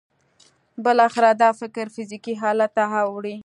بالاخره دا فکر فزیکي حالت ته اوړي